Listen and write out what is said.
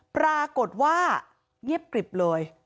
ปรากฏว่าเงียบกริบเลย